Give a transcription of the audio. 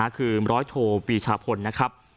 คือร้อยโทปีชาพลนะครับ